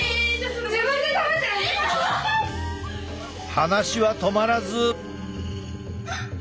話は止まらず。